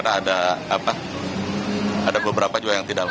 kalau melihat seperti ini apakah kontraplo harus dilakukan